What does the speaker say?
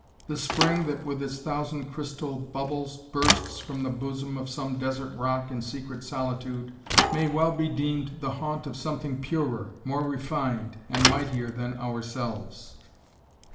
The spring that, with its thousand crystal bubbles, Bursts from the bosom of some desert rock In secret solitude, may well be deem'd The haunt of something purer, more refined, And mightier than ourselves.